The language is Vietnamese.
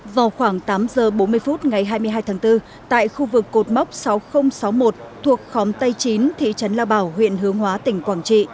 vào khoảng tám giờ bốn mươi phút ngày hai mươi hai tháng bốn tại khu vực cột mốc sáu nghìn sáu mươi một thuộc khóm tây chín thị trấn lao bảo huyện hướng hóa tỉnh quảng trị